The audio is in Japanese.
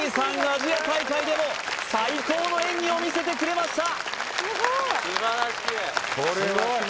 アジア大会でも最高の演技を見せてくれました